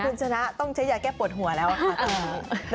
คุณชนะต้องใช้แยแก้ปลวดหัวแล้วค่ะ